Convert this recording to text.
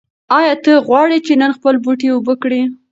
ایا ته غواړې چې نن خپل بوټي اوبه کړې؟